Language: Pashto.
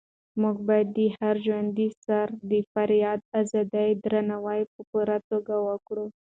موږ باید د هر ژوندي سري د فردي ازادۍ درناوی په پوره توګه وکړو.